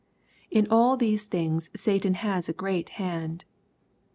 In all these things Satan has a great hand.